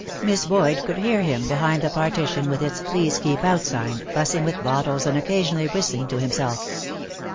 Miss Boyd could hear him, behind the partition with its "Please Keep Out" sign, fussing with bottles and occasionally whistling to himself.